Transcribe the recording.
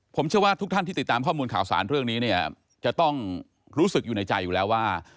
ผมเชื่อว่าทุกท่านที่ติดตามข้อมูลข่าวสารเรื่องนี้เนี่ยจะต้องรู้สึกอยู่ในใจอยู่แล้วว่า